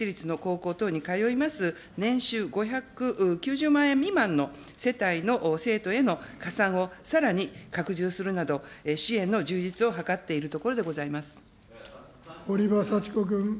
その上で、令和２年度に、私立の高校等に通います、年収５９０万円未満の世帯の生徒への加算をさらに拡充するなど、支援の充実を堀場幸子君。